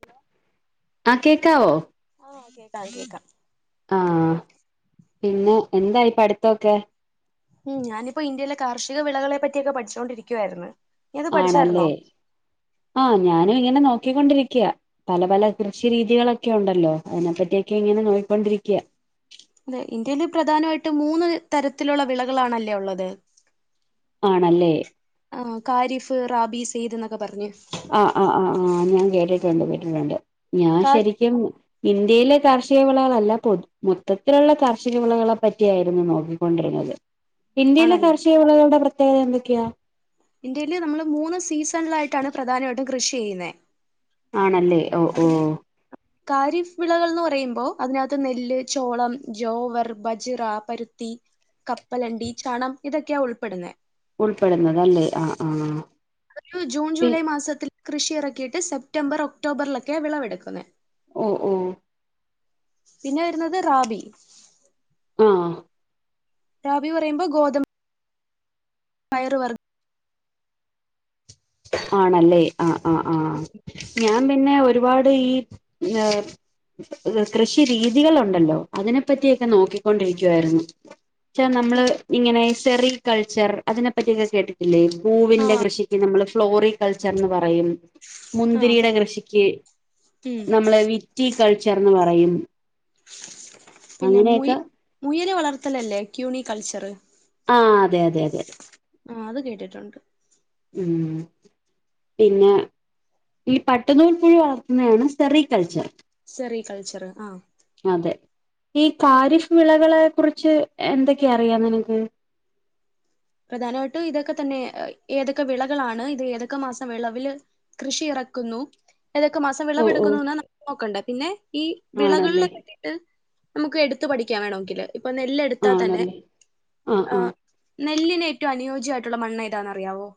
Hello? ആ കേക്കാവോ? ആഹ് കേക്കാം കേക്കാം. ആഹ് പിന്നെ എന്തായി പഠിത്തോക്കെ? ഉം ഞാനിപ്പോ ഇന്ത്യയിലെ കാർഷിക വിളകളെ പറ്റിയൊക്കെ പഠിച്ചോണ്ടിരിക്കുവായിര്ന്ന്. ആണല്ലേ ആഹ് ഞാനും ഇങ്ങനെ നോക്കിക്കൊണ്ടിരിക്കയാ. പല പല കൃഷി രീതികളൊക്കെ ഉണ്ടല്ലോ അതിനെപ്പറ്റിയൊക്കെ ഇങ്ങനെ നോയിക്കൊണ്ടിരിക്കയാ. അതെ ഇന്ത്യയിൽ പ്രധാനമായിട്ട് മൂന്ന് തരത്തിലുള്ള വിളകളാണല്ലേ ഉള്ളത്. ആണല്ലേ. ആ കാരിഫ് റാബി സെയ്ദ്ന്നൊക്കെ പറഞ്ഞ്. ആ ആ ആ ആ ഞാൻ കേട്ടിട്ടുണ്ട് കേട്ടിട്ടുണ്ട് ഞാൻ കാര് ശെരി ഇന്ത്യയിലെ കാർഷിക വിളകളല്ല പൊതു മൊത്തത്തിലുള്ള കാർഷിക വിളകളെ പറ്റിയായിരുന്നു നോക്കിക്കൊണ്ടിര്ന്നത്. ഇന്ത്യയിലെ ആണല്ലേ കാർഷിക വിളകളുടെ പ്രത്യേകത എന്തൊക്കെയാ? ഇന്ത്യയില് നമ്മള് മൂന്ന് സീസണിലായിട്ടാണ് പ്രധാനവായിട്ടും കൃഷി ചെയ്യുന്നേ. ആണല്ലേ ഓ ഓ. കാരിഫ് വിളകൾന്ന് പറയുമ്പോ അതിനകത്ത് നെല്ല്, ചോളം, ജോവർ, ബജ്റ, പരുത്തി കപ്പലണ്ടി ചണം ഇതൊക്കെയാ ഉൾപ്പെടുന്നേ. ഉൾപ്പെടുന്നതല്ലേ ആഹ് ആഹ്. ഒരു ജൂൺ പി ജൂലൈ മാസത്തിൽ കൃഷി ഇറക്കിയിട്ട് സെപ്റ്റംബർ ഒക്ടോബറിലൊക്കെ വിളവെടുക്കുന്ന ഓഹ് ഓഹ് പിന്നെ വരുന്നത് റാബി. ആഹ് റാബി പറയുമ്പോ ഗോതമ്പ പയർ വർഗം ആണല്ലേ ആഹ് ആഹ് ആഹ്. ഞാൻ പിന്നെ ഒരുപാട് ഈ ഏഹ്. കൃഷി രീതികൾ ഉണ്ടല്ലോ അതിനെ പറ്റിയൊക്കെ നോക്കിക്കൊണ്ടിരിക്കുവായിരുന്നു പക്ഷേ നമ്മള് ഇങ്ങനെ സെറി കൾച്ചർ അതിനെപ്പറ്റിയൊക്കെ കേട്ടിട്ടില്ലേ പൂവിന്റെ ആഹ് കൃഷിക്ക് നമ്മള് ഫ്ലോറികൾച്ചർന്ന് പറയും ആഹ് മുന്തിരിയുടെ കൃഷിക്ക്. ഉം നമ്മള് വിറ്റി കൾച്ചർന്ന് പറയും പിന്നെ മു അങ്ങനെയൊക്കെ മുയല് വളർത്തലല്ലേ ക്യൂണി കൾച്ചർ. ആഹ് അതെ അതെ ആഹ് അത് കേട്ടിട്ടുണ്ട് ഉം പിന്നെ ഈ പട്ടനൂൽ പുഴു വളർത്തുന്നതാണ് സെറി കൾച്ചർ. സെറി കൾച്ചർ ആഹ്. അതെ ഈ ഖാരിഫ് വിളവുകളെ കുറിച്ച് എന്തൊക്കെയാ അറിയാം നിനക്ക്. പ്രധാനമായിട്ടും ഇതൊക്കെ തന്നെ ഏതൊക്കെ വിളകളാണ്, ഇത് ഏതൊക്കെ മാസം വിളവില്. കൃഷിയിറക്കുന്നു ഏതൊക്കെ മാസം ഓ ഓ വിളവെടുക്കുന്നുന്ന് നമ്മക്ക് നോക്കണ്ടേ പിന്നെ ഈ ആണല്ലേ വിളകളിലെ പറ്റി ട്ട് നമുക്ക് എടുത്ത് പഠിക്കാൻ വേണമെങ്കില്, ഇപ്പൊ നെല്ലെടുത്താൽ തന്നെ ആണല്ലേ ആഹ്. നെല്ലിനേറ്റവും അനുയോജ്യമായിട്ടുള്ള മണ്ണ് ഏതാന്ന് അറിയാവോ?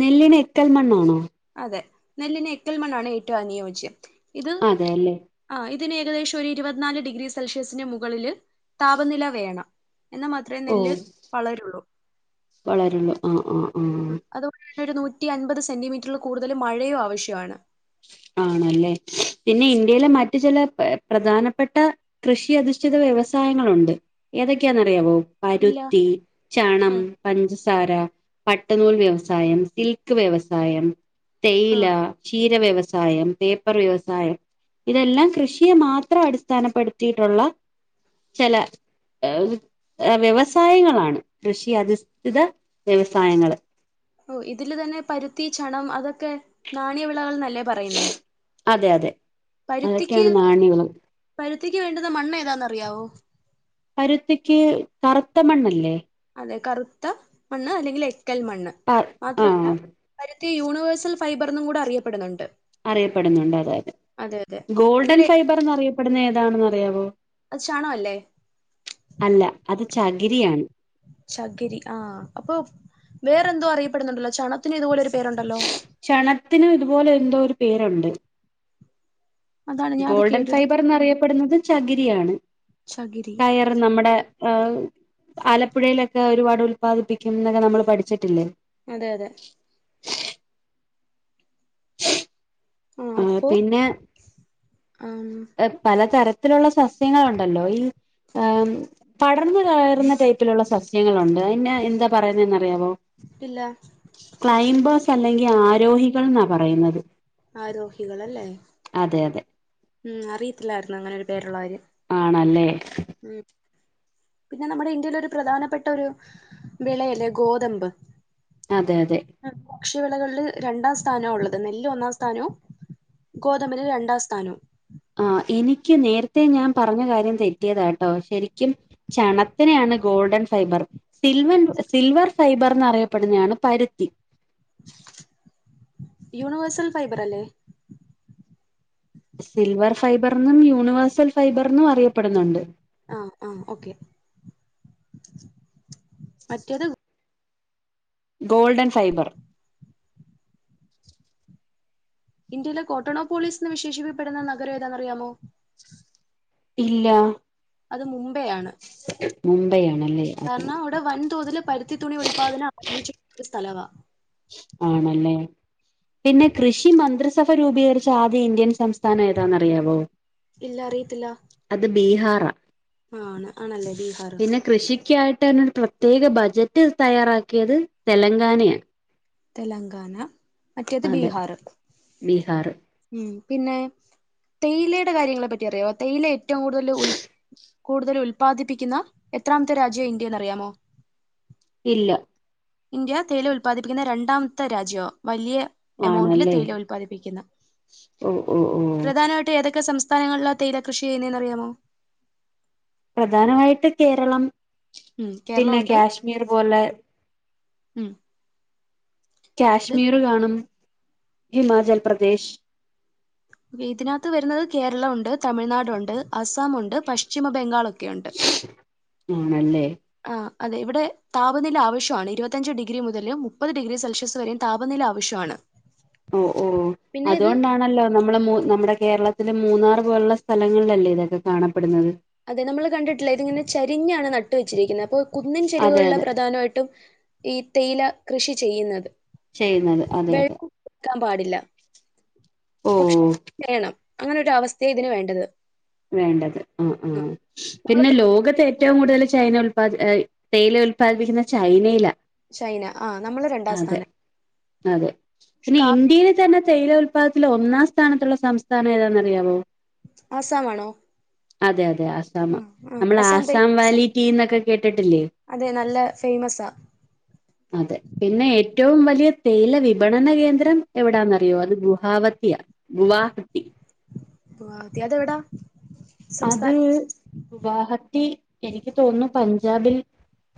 നെല്ലിന് എക്കൽ മണ്ണാണോ? അതെ നെല്ലിന് എക്കൽമണ്ണാണ് ഏറ്റവും അനുയോജ്യം ഇത്. അതെല്ലേ ആഹ് ഇതിന് ഏകദേശം ഒരു ഇരുപത്തി നാല് ഡിഗ്രി സെൽഷ്യസിന്റെ മുകളില്. താപനില വേണം എന്നാൽ മാ ഓഹ് വളരുള്ളൂ ആഹ് ആഹ് ആഹ്. അതുകൊണ്ട് തന്നെ ഒരു നൂറ്റി അൻപത് സെന്റിമീറ്ററിൽ കൂടുതൽ മഴയും ആവശ്യമാണ്. ആണല്ലേ പിന്നെ ഇന്ത്യയിലെ മറ്റു ചില പ്രധാനപ്പെട്ട കൃഷി അധിഷ്ഠിത വ്യവസായങ്ങളുണ്ട്, ഏതൊക്കെയാന്നറിയാവോ? ഇല്ല പരുത്തി, ആ ചണം പഞ്ചസാര, പട്ടനൂൽ വ്യവസായം, സിൽക്ക് വ്യവസായം. ആ തേയില, ക്ഷീര വ്യവസായം, പേപ്പർ വ്യവസായം. ഇതെല്ലാം കൃഷിയെ മാത്രം അടിസ്ഥാനപ്പെടുത്തിയിട്ടുള്ള ചെല ഏഹ് വ്യവസായങ്ങളാണ്, കൃഷി അധിസ്ഥ്ഠിത വ്യവസായങ്ങൾ. ഓ ഇതില് തന്നെ പരുത്തി ചണം അതൊക്കെ നാണ്യ വിളകൾന്നല്ലേ പറയുന്നേ അതെ അതെ പരുത്തിക്ക് അതൊക്കെയാണ് നാണ്യവിളകൾ പരുത്തിക്ക് വേണ്ടുന്ന മണ്ണ് ഏതാന്ന് അറിയാവോ? പരുത്തിക്ക് കറുത്ത മണ്ണല്ലേ. അതെ കറുത്ത മണ്ണ് അല്ലെങ്കിൽ എക്കൽ മണ്ണ് മാത്രമല്ല. ആഹ് പരുത്തി യൂണിവേഴ്സൽ ഫൈബർ എന്നും കൂടെ അറിയപ്പെടുന്നുണ്ട്. അറിയപ്പെടുന്നുണ്ട് അതെയതെ. അതെ അതെ ഗോൾഡൻ ഇന്ത്യയിലെ ഫൈബർന്ന് അറിയപ്പെടുന്ന ഏതാണെന്ന് അറിയാവോ അല്ലേ അല്ല അത് ചകിരിയാണ് ചകിരി ആഹ് അപ്പൊ വേറെന്തോ അറിയപ്പെടുന്നുണ്ടല്ലോ, ചണത്തിന് ഇതുപോലെ ഒരു പേരുയുണ്ടല്ലോ. ചണത്തിനും ഇതുപോലെ എന്തോ ഒരു പേരുണ്ട്. അതാണ് ഞാൻ അത് ഗോൾഡൻ കേട്ടിട്ട് ഫൈബർന്ന്റിയപ്പെടുന്നത് ചകിരിയാണ് ചകിരി കയർ നമ്മുടെ- ആഹ് ആലപ്പുഴയിലൊക്കെ ഒരുപാട് ഉത്പാദിപ്പിക്കും എന്നൊക്കെ നമ്മൾ പഠിച്ചിട്ടില്ലേ? അതെ അതെ. ആ ഹ്അപ്പോ പിന്നെ ആം. പലതരത്തിലുള്ള സസ്യങ്ങളുണ്ടല്ലോ ഈ- ആ പടർന്ന് കയറുന്ന ടൈപ്പിലുള്ള സസ്യം. ങ്ങളുണ്ട് അയിന് എന്താ പറയുന്നേനറിയാവോ? ഇല്ല. ക്ലൈംബോസ് അല്ലെങ്കിൽ ആരോഹികൾ ന്നാ പറയുന്നത്. ആരോഹികളല്ലേ? അതെ അതെ. ഉം അറിയത്തില്ലായിരുന്നു അങ്ങനെ ഒരു പേരുള്ള കാര്യം. ആണല്ലേ. ളം. പിന്നെ നമ്മുടെ ഇന്ത്യയില ഒരു പ്രധാനപ്പെട്ട ഒരു വിളയല്ലെ ഗോതമ്പ്. അതെ അതെ. കാർഷിക വിളകളില് രണ്ടാം സ്ഥാനോ ഉള്ളത് നെല്ല് ഒന്നാം സ്ഥാനോം. ഗോതമ്പിന് രണ്ടാം സ്ഥാനം. ആഹ് എനിക്ക് നേരത്തെ ഞാൻ പറഞ്ഞ കാര്യം തെറ്റിയതാട്ടോ ശരിക്കും- ചണത്തിനെയാണ് ഗോൾഡൻ ഫൈബർ. സിൽവൻ സിൽവർ ഫൈബർന്ന് അറിയപ്പെടുന്നേയാണ് പരുത്തി. യൂണിവേഴ്സൽ ഫൈബർ അല്ലേ? സിൽവർ ഫൈബർന്നും യൂണിവേഴ്സൽ ഫൈബർന്നും അറിയപ്പെടുന്നുണ്ട്. ആഹ് ആ ഓക്കെ മറ്റേത്. Golden fibre. ഇന്ത്യയിലെ കോട്ടോണോ പോളീസ്ന്ന് വിശേഷപ്പിക്കപ്പെടുന്ന നഗരം ഏതാണറിയാമോ? ഇല്ല അത് മുംബൈ ആണ് മുംബൈ ആണല്ലേ അത് കാരണം- വൻതോതിൽ പരുത്തി തുണി ഉത്പാദം ആരംഭിച്ചിട്ടുള്ള ഒരു സ്ഥലവാ. ആണല്ലേ! പിന്നെ കൃഷി മന്ത്രിസഭ രൂപീകരിച്ച ആദ്യ ഇന്ത്യൻ സംസ്ഥാനം ഏതാന്ന് അറിയാവോ? ഇല്ല അറിയത്തില്ല. അത് ബീഹാറാ ആ ആണ് ആണല്ലേ ബീഹാർ പിന്നെ കൃഷിക്കായി ടെന്നെ ത്യേക ബജറ്റ് തയ്യാറാക്കിയത് തെലങ്കാനയാണ്. തെലങ്കാന മറ്റേത് അതെ ബീഹാർ. ബീഹാർ ഉം പിന്നെ തേയിലയുടെ കാര്യങ്ങളെ പറ്റി അറിയോ തേയില ഏറ്റവും കൂടുതൽ ഉൽ- കൂടുതൽ ഉൽപാദിപ്പിക്കുന്ന എത്രാമത്തെ രാജ്യ ഇന്ത്യ എന്നറിയാമോ? ഇല്ല. ഇന്ത്യ തേയില ഉല്പാദിപ്പിക്കുന്ന രണ്ടാമത്തെ രാജ്യോ വലിയ. എമൗണ്ടില് ആണല്ലേ തേയിലം ഉല്പാദിപ്പിക്കുന്ന ഓ ഓ ഓ പ്രധാനമായിട്ട് ഏതൊക്കെ സംസ്ഥ- [unintelligible] തേയില കൃഷി എങ്ങിനെന്നറിയാമോ? പ്രധാനമായിട്ട് കേരളം. ഉം കേരളം പിന്നെ ഉണ്ട് കാശ്മീർ പോലെ ഉം. ഇത് കാശ്മീർ കാണും ഹിമാചൽ പ്രദേശ്. ഇതിനകത്ത് വരുന്നത് കേരളം ഉണ്ട് തമിഴ്നാടു ഉണ്ട് അസാമുണ്ട് പശ്ചിമ ബംഗാൾ ഒക്കെ ഉണ്ട്. ആണല്ലേ. ആ അതെ ഇവിടെ താപനില ആവശ്യമാണ് ഇരുപത്തഞ്ച് ഡിഗ്രി മുതൽ മുപ്പത് ഡിഗ്രി സെൽഷ്യസ് വരെ താപനില ആവശ്യമാണ്. ഓ ഓ പിന്നെ ഇത് അതുകൊണ്ടാണല്ലോ. നമ്മളെ മൂ. നമ്മുടെ കേരളത്തിലെ മൂന്നാർ പോലുള്ള സ്ഥലങ്ങളിലല്ലേ ഇതൊക്കെ കാണപ്പെടുന്നത്? അതെ നമ്മൾ കണ്ടിട്ടില്ലേ ഇതിങ്ങനെ ചരിഞ്ഞാണ് നട്ട് വെച്ചിരിക്കുന്നത് അപ്പൊ കുന്നിൻ അതെ ചെരിവകളുള്ള അതെ പ്രധാനായിട്ടും- ഈ തേയില കൃഷി ചെയ്യുന്നത് ചെയ്യുന്നത് അതെ അതെ വെള്ളം ഒഴിക്കാൻ പാടില്ല ഓ പക്ഷെ വേണം അങ്ങനെ ഒരു അവസ്ഥയ ഇതിന് വേണ്ടത് വേണ്ടത് ആഹ് ആഹ് നമ്മൾ പിന്നെ ലോകത്ത് ഏറ്റവും കൂടുതൽ ചൈന ഉൽപാദി തേയില ഉല്പാദിപ്പിക്കുന്ന ചൈനയിലാ ചൈന അ നമ്മള് രണ്ടാം അതെ സ്ഥാനം അതെ പക്ഷെ പിന്നെ കാപ്പി ഇന്ത്യൽ തന്നെ.. തേയില ഉത്പാദത്തിൽ ഒന്നാം സ്ഥാനത്തുള്ള സംസ്ഥാനം ഏതാന്ന അറിയാാവോ? ആസാമാണോ അതെ അതെ ആസാം ആ ആ നമ്മൾ തേ ആസാം വാലിറ്റി ഇന്നൊക്കെ കേട്ടിട്ടില്ലേ അതെ നല്ല ഫേമസാ അതെ പിന്നെ ഏറ്റവും വലിയ തേയില വിപണന കേന്ദ്രം എവിടാന്നറിയോ അത് ഗുഹാവതിയ ഗുവാഹത്തി ഗുഹവതി അതെ എവിടാ അത് ഗുവാഹത്തി എനിക്ക് തോന്നുന്നു പഞ്ചാബിൽ.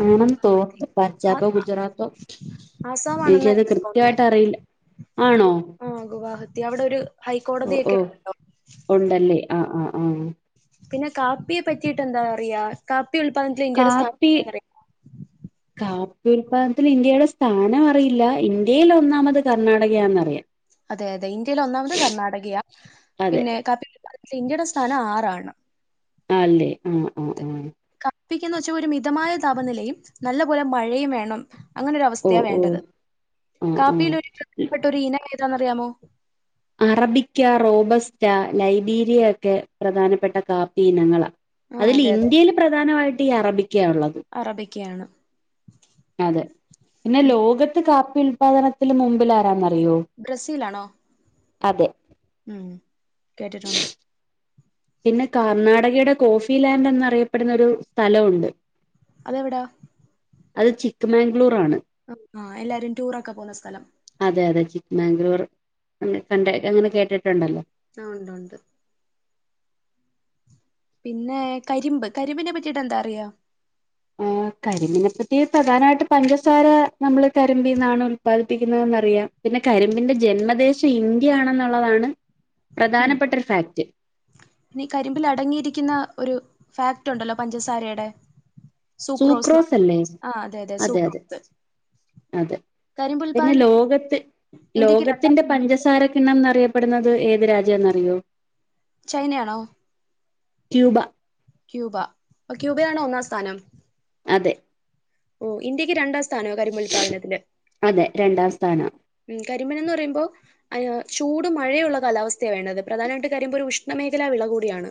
ആണെന്ന് ഗുവാഹത്തി തോന്നുന്നു ആ പഞ്ചാബോ ഗുജറാത്തോ എനിക്കത് കൃത്യമായിട്ട് അറിയില്ല ആഹ് ഗുവാഹത്തി അവിടെ ഒരു... ഓഹ് ഹൈക്കോടതിയൊക്കെ ഓഹ് ഉണ്ടല്ലോ ഉണ്ടല്ലേ ആഹ് ആഹ് ആഹ്.. പിന്നെ കാപ്പിയെ പറ്റിട്ട് എന്താ അറയാ കാപ്പി ഉൽപാദനത്തിൽ ഇന്ത്യയുടെ കാപ്പി സ്ഥാനഅറിയോ കാപ്പി ഉൽപാദനത്തിൽ ഇന്ത്യയുടെ സ്ഥാനം അറിയില്ല ഇന്ത്യൽ ഒന്നാമത് കർണാടകയാന്ന്റിയാ അതെ അതെ ഇന്ത്യയിൽ ഒന്നാമത് കർണാടകയ.. അതെ പിന്നെ കാപ്പി ഇന്ത്യയുടെ സ്ഥാനം ആറാണ് ആഹ് അല്ലേ ആഹ് ആഹ് ആഹ് കാപ്പിക്കെന്ന് വെച്ചാ ഒരു മിതമായ താപനിലയും നല്ല പോലെ മഴയും വേണം അങ്ങനൊര ഓ അവസ്ഥയ ഓ വേണ്ടത് ആഹ് കാപ്പിൽ ആഹ് ഒരു പ്രധാനപ്പെട്ട ഒരു ഇനം ഏതാന്നറിയാമോ?? അറബിക്ക റോബസ്റ്റ ലൈബീരിയ ഒക്കെ പ്രധാനപ്പെട്ട കാപ്പി ഇനങ്ങളാ. ആ അതില് അതെ അതെ ഇന്ത്യയിൽ പ്രധാനമായിട്ട് ഈ അറബിക്ക ഉള്ളത്. അറബിക്കയാണ്... അതെ പിന്നെ ഉം ലോകത്ത് കാപ്പി ഉല്പാദനത്തിന് മുമ്പിൽ ആരാന്നറിയോ?? ബ്രസീൽആണോ? അതെ... ഉം കേട്ടിട്ടുണ്ട്.. പിന്നെ കർണാടകയുടെ കോഫി ലാൻഡ്ന്ന്റിയപ്പെടുന്ന ഒരു സ്ഥലമുണ്ട് അതെവിടാ? അത് ചിക്ക് മാംഗ്ലൂർ ആണ് ആഹ്ന് ആഹ് എല്ലാരും ടൂറൊക്കെ പോകുന്ന സ്ഥലം അതെ അതെ ചിക്ക്മംഗ്ലൂർ കണ്ട് അങ്ങനെ കേട്ടിട്ടുണ്ടല്ലോ ആഹ് ഉണ്ട് ഉണ്ട് പിന്നെ കരിമ്പ് കരിമ്പിനെ പറ്റിട്ട് എന്താറിയാ ആഹ് കരിമ്പിനെപ്പറ്റി പ്രധാനമായിട്ട് പഞ്ചസാര നമ്മള് കരിമ്പ്‌ ന്നാണ് ഉല്പാദിപ്പിക്കുന്നത് അറിയാം പിന്നെ കരിമ്പിന്റെ ജന്മദേശം ഇന്ത്യ ആണെന്നുള്ളതാണ് പ്രധാനപ്പെട്ട ഒരു ഫാക്റ്റ് നി കരിമ്പിൽ അടങ്ങിയിരിക്കുന്ന ഒരു ഫാക്റ്റ് ഉണ്ടല്ലോ പഞ്ചസാരയുടെ എന്ന് സൂക്രോസ് പറയും. അല്ലേ അതെ അതെ.. അതെ കരിമ്പ് പിന്നെ ഉൽപാദനത്തിൽ ലോകത്ത് ഇന്ത്യക്ക് രണ്ടാം ലോകത്തിന്റെ സ്ഥാനം. പഞ്ചസാര പിണം എന്ന അറിയപ്പെടുന്നത് ഏത് രാജ്യന്ന്റിയോ ചൈനയാണോ ക്യൂബ ക്യൂബ അ ക്യൂബയാണോ ഒന്നാം സ്ഥാനം.. അതെ ഓഹ് ഇന്ത്യക്ക് രണ്ടാം സ്ഥാന കരിമ്പ്‌ ഉല്പാദനത്തിന് അതെ രണ്ടാം സ്ഥാനം കരിമ്പൻ എന്ന് പറയുമ്പോ അയാ ചൂട് മഴയുള്ള കാലാവസ്ഥയവേണ്ടത് പ്രധാനായിട്ട് കാര്യപോ ഒരു ഉഷ്ണമേഖലാ വിള കൂടിയാണ്.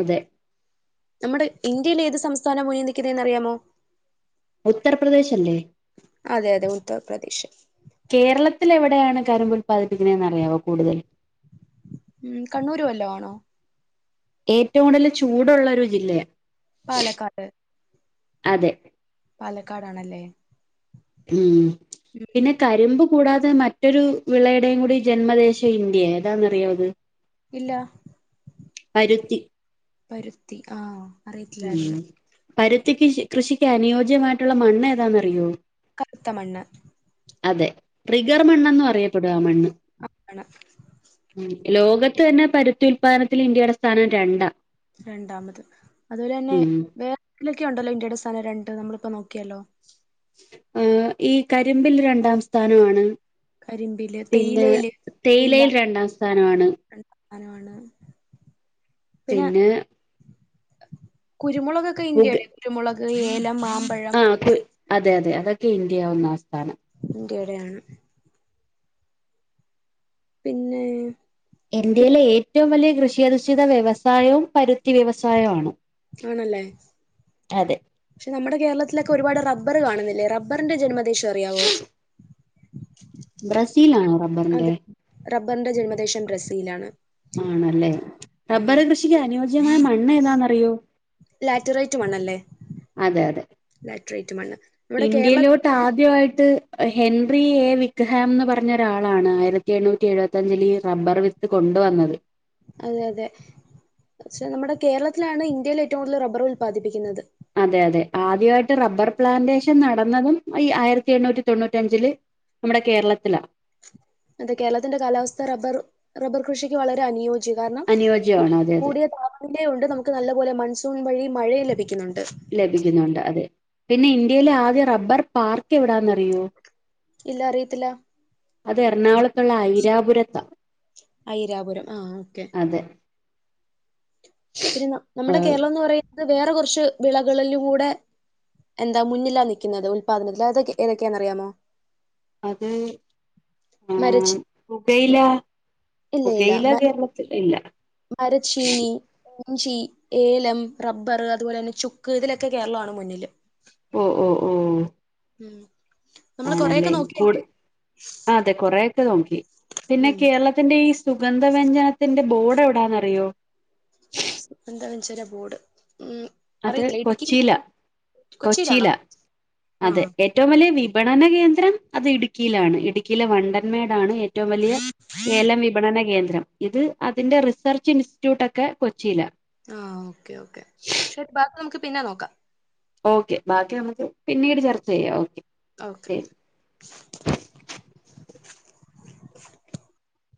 അതെ നമ്മ്ടെ ഇന്ത്യയിലേത് സംസ്ഥാന മുന്നി നിക്കിന്നെന്നറിയാമോ? ഉത്തർപ്രദേശ് അല്ലേ? അതെ അതെ ഉത്തർപ്രദേശ് കേരളത്തിൽ എവിടെയാണ് കരിമ്പ് ഉൽപാദിപ്പിക്ക്ണെന്നറിയാവോ കൂടുതൽ? ഉം കണ്ണൂരുവല്ലോ ആണോ ഏറ്റവും കൂടുതൽ ചൂടുള്ള ഒരു ജില്ലയാ പാലക്കാട് അതെ പാലക്കാടാണല്ലേ? ഉം ഉം പിന്നെ കരി കരിമ്പ് കൂടാതെ മറ്റൊരു വിളയ്ടെയുംകൂടി ജന്മദേശം ഇന്ത്യ ഏതാന്നറിയാത്? ഇല്ല പരുത്തി പരുത്തി ആഹ് ഉം അറിയത്തില്ലായിരുന്നു പരുത്തിക്ക്ഷി കൃഷിക്ക് അനുയോജ്യമായ്ട്ടുള്ള മണ്ണേതാന്നറിയോ? കറ്ത്ത മണ്ണ് അതെ ട്രിഗർ മണ്ണെന്നും അറിയപ്പെടും ആമണ്ണ് ആണ് ഉം ലോകത്ത് തന്നെ പരുത്തി ഉൽപാദ്നത്തിൽ ഇന്ത്യയുടെ സ്ഥാനം രണ്ടാ രണ്ടാമത് അതുപോലെന്നെ ഉം വേറെലൊക്കെ ഉണ്ടല്ലോ ഇന്ത്യയുടെ സ്ഥാനം രണ്ട് നമ്മളിപ്പോ നോക്കിയലോ ആഹ് ഈ കരിമ്പിൽ രണ്ടാം സ്ഥാനവാണ് കരിമ്പില് പിന്നെ തേയിലയില് തേയിലയിൽ രണ്ടാം സ്ഥാനമാണ് സ്ഥാനവാണ് പിന്നെ കുരുമുളക് ക്കെ ഇന്ത്യടെ കുരുമുളക് ഏലം മാം ആഹ് ക്കു അതെ അതെ അതൊക്കെ ഇന്ത്യയ ഒന്നാംസ്ഥാനം ഇന്ത്യയ്ടെയാണ് പിന്നെ ഇന്ത്യയിലെ ഏറ്റവും വലിയ കൃഷിയധിഷ്ഠിത വ്യവസായവും പരുത്തി വ്യവസായവാണ്. ആണല്ലേ പക്ഷെ നമ്മുടെ കേരളത്തിലൊക്കെ ഒരുപാട് റബ്ബർ കാണ്ന്നില്ലേ റബ്ബറിന്റെ ജന്മ ദേശഅറിയാവോ? ബ്രസീലാണോ റബ്ബറിന്റെ അതെ റബ്ബർന്റെ ജന്മദേശം ബ്രസീലാണ് ആണല്ലേ, ആഹ് റബ്ബർ കൃഷിക്ക് അനുയോജ്യമായ മണ്ണെതാന്നറിയോ? ലാറ്റ്റൈറ്റ് മണ്ണല്ലേ അതെ അതെ ലാറ്റ്റൈറ്റ് മണ്ണ് ഇവിടെ കേരള താദ്യായിട്ട് ഹെൻറി എ വിക്ക്ഹെംന്ന് പറഞ്ഞൊരാളാണ് ആയിര എണ്ണൂറ്റി എഴുവത്തഞ്ച്ലീ റബ്ബർ വിത്ത് കൊണ്ടുവന്നത് അതെ അതെ പക്ഷെ നമ്മുടെ കേരളത്തിലാണ് ഇന്ത്യയില് ഏറ്റവും കൂടുതൽ റബ്ബറ് ഉല്പാദിപ്പിക്കുന്നത്. അതെ അതെ ആദ്യവായ്ട്ട് റബ്ബർ പ്ലാന്റേഷൻ നടന്നതും ഈ ആയിരത്തി എണ്ണൂറ്റി തൊണ്ണൂറ്റഞ്ച്ല് നമ്മടെ കേരളത്തിലാ അത് കേരളത്തിന്റെ കാലാവസ്ഥ റബർ റബ്ബർ കൃഷിക്ക് വളരെ അനുയോ [unintelligible] കു അനുയോജ്യമാണ് അതെ അതെ കൂടിയ താപ പിന്നെയ് ഉണ്ട് നമുക്ക് നല്ലപോലെ മൺസൂൺ വഴി മഴയും ലഭിക്കുന്നുണ്ട്. ലഭിക്കുന്നുണ്ട് അതെ പിന്നെ ഇന്ത്യയിലെ ആദ്യ റബ്ബർ പാർക്ക് എവിടാന്നറിയോ? ഇല്ല അറിയത്തില്ല അത് എറണാകുളത്തുള്ള ഐരാപുരത്താ ഐരാപുരം ആഹ് ഓക്കെ അതെ പിന്നെ നമ്മടെ ഏഹ് കേരളംന്ന് പറയുന്നത് വേറെ കുറച്ച് വിളകളിലുംകൂടെ എന്താ മുന്നിലാ നിയ്ക്കുന്നത് ഉത്പാദനത്തിൽ അതൊക്കെ ഏതൊക്കെയാന്നറിയാമോ? അത് ആഹ് ആഹ് മരച്ചി പുകയില ഇല്ല ഇല്ല പുകയില കേരളത്തിൽ ഇല്ല മരച്ചീനി ഇഞ്ചി, ഏലം, റബ്ബർ അതുപോലെ തന്നെ ചുക്ക് ഇതിലൊക്കെ കേരളമാണ് മുന്നില് ഓഹ് ഓഹ് ഓഹ് ഉം നമ്മള് കൊറെയൊക്കെ ആണല്ലേ കൂട് നോക്കിയല്ലേ അതെ കൊറേയൊക്കെ നോക്കി പിന്നെ ഉം കേരള ത്തിന്റെ ഈ സുഗന്ധ വ്യഞ്ജനത്തിന്റെ ബോർഡ് എവിടാന്നറിയോ? സുഗന്ധവ്യഞ്ജചന ബോർഡ് ഉം അത് അറിയത്തില്ല കൊച്ചിയില ഇടുക്കിയിലാണോ കൊച്ചിയില കൊച്ചിയിലാണോ അതെ ആഹ് എ ഏറ്റവും വലിയ വിപണന കേന്ദ്രം അത് ഇടുക്കിയിലാണ് ഇടുക്കിയിലെ വണ്ടൻമേടാണ് ഏ ഏറ്റവും വലിയ ഏലം വിപണന കേന്ദ്രം ഇത് അതിന്റെ റിസർച്ച് ഇൻസ്റ്റിറ്റ്യൂട്ടൊക്കെ കൊച്ചിയില ആഹ് ഓക്കേ ഓക്കെ ശരി ബാക്കി നമുക്ക് പിന്നെ നോക്കാം ഓക്കെ ബാക്കി നമുക്ക് പിന്നീട് ചർച്ച ചെയ്യാം ഓക്കെ ഓക്കെ ശരി